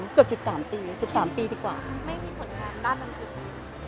เกือบสิบสามปีสิบสามปีดีกว่าไม่มีผลงานด้านลงทุกข์